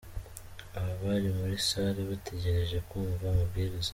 Aba bari muri salle bategereje kumva amabwiriza.